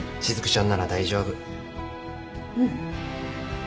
うん。